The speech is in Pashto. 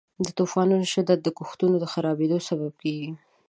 د طوفانونو شدت د کښتونو د خرابیدو سبب کیږي.